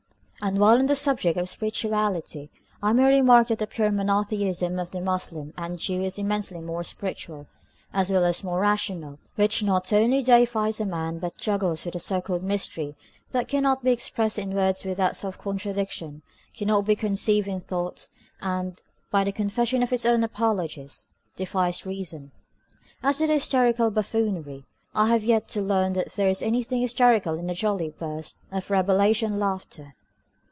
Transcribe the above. And while on the subject of spirituality, I may remark that the pure monotheism of the Muslim and the Jew is immensely more spiritual, as well as more rational, than the monotritheism of the Christian, which not only deifies a man, but juggles with a so called mystery that cannot be expressed in words without self contradiction, cannot be conceived in thought, and, by the confession of its own apologists, defies reason. As to the "hysterical buffoonery," I have yet to learn that there is anything hysterical in a jolly burst of Rabelaisian laughter.